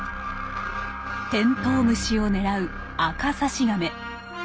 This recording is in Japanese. テントウ虫を狙うアカサシガメ。